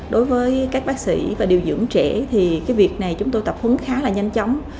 đối với các bác sĩ và điều dưỡng trẻ thì cái việc này chúng tôi tập hứng khá là nhanh chóng